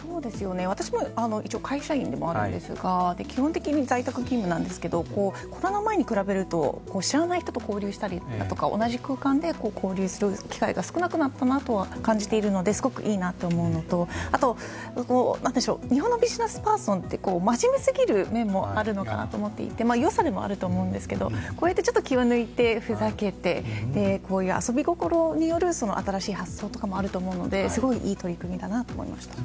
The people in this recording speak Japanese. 私は会社員でもあるんですが基本的に在宅勤務なんですがコロナ前に比べると知らない人と交流する機会が少なくなったなとは感じているのですごくいいなと思うのとあと、日本のビジネスパーソンって真面目すぎる面もあるのかなと思っていて良さでもあると思うんですけどこうやってちょっと気を抜いてふざけて、遊び心による新しい発想とかもあるのですごいいい取り組みだなと思いました。